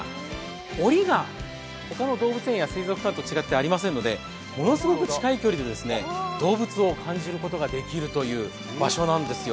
おりが他の動物園や水族館と違ってありませんので、ものすごく近い距離で動物を感じることができるという場所なんですよ。